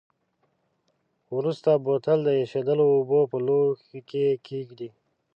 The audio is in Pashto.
وروسته بوتل د ایشېدلو اوبو په لوښي کې کیږدئ.